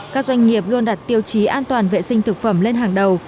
các doanh nghiệp luôn đặt tiêu chí an toàn vệ sinh thực phẩm lên hàng đầu